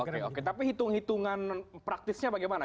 oke oke tapi hitung hitungan praktisnya bagaimana